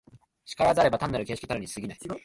然らざれば単なる形式たるに過ぎない。